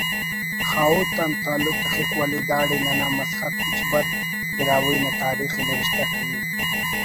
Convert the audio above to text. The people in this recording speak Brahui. خاہوت آن تعلق تخک ولے داڑے ننا مسخت ہچبر براہوئی نا تاریخ ءِ نوشتہ کننگ